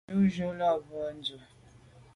Yen ju là be à ndù.